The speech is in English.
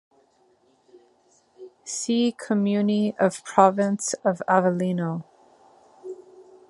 See Comuni of the Province of Avellino.